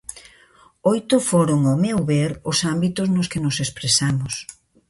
Oito foron, ao meu ver, os ámbitos nos que nos expresamos.